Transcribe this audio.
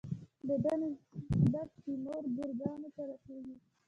د ده نسب تیمور ګورکان ته رسیږي.